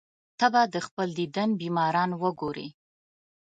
ته به د خپل دیدن بیماران وګورې.